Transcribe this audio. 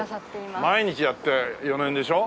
毎日やって４年でしょ？